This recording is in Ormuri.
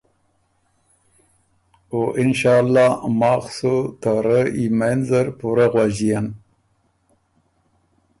او انشاالله ماخ سو ته رۀ یمېند زر پُورۀ غؤݫيېن۔